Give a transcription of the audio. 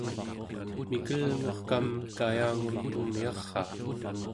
mikelngurkam kayangum tumyaraa